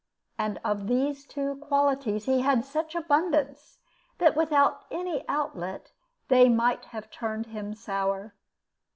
And of these two qualities he had such abundance that, without any outlet, they might have turned him sour.